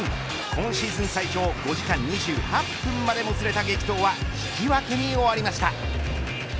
今シーズン最長５時間２８分までもつれた激闘は引き分けに終わりました。